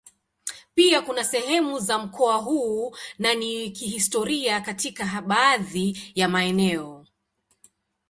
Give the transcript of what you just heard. Pia kuna sehemu za mkoa huu ni wa kihistoria katika baadhi ya maeneo.